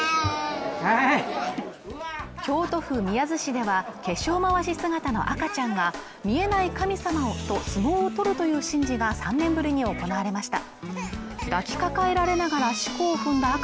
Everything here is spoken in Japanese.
京都府宮津市では化粧まわし姿の赤ちゃんが見えない神様と相撲を取るという神事が３年ぶりに行われました